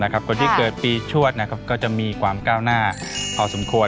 คนที่เกิดปีชวดก็จะมีความก้าวหน้าพอสมควร